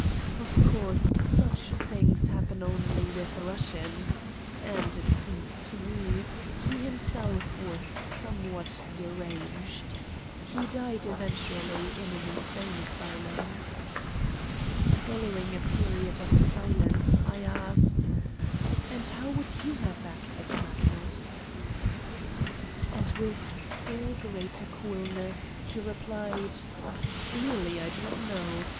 Of course, such things happen only with Eussians and, it seems to me, he himself was somewhat de ranged. He died eventually in an insane asy lum." Following a period of silence, I asked : "And how would you have acted, Magnus?" And with still greater coolness, he replied : "Keally, I do not know.